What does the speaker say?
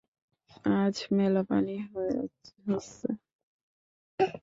আজ ম্যালা পানি হছে।